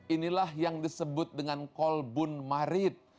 inilah yang disebut dengan kolbun marid